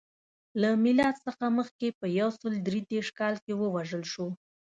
له میلاد څخه مخکې په یو سل درې دېرش کال کې ووژل شو.